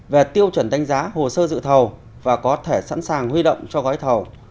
về tiêu chuẩn đánh giá hồ sơ dự thầu và có thể sẵn sàng huy động cho gói thầu